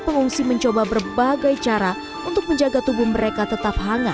pengungsi mencoba berbagai cara untuk menjaga tubuh mereka tetap hangat